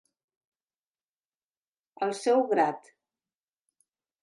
Al seu grat.